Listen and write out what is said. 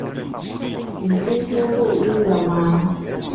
你今天錄音了嗎？